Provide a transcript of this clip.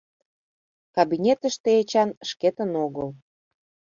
Кабинетыште Эчан шкетын огыл.